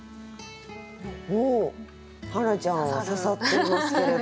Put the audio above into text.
おお花ちゃんは刺さってますけれども。